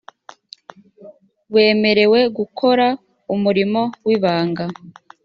wemerewe gukora umurimo w’ ibanga.